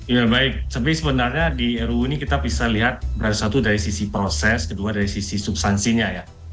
ya baik tapi sebenarnya di ru ini kita bisa lihat berada satu dari sisi proses kedua dari sisi substansinya ya